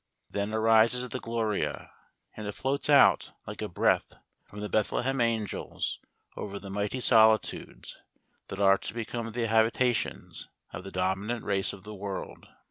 Then arises the Gloria, and it floats out, like a breath from the Bethlehem angels over the mighty solitudes that are to become the habitations of the dominant race of the world.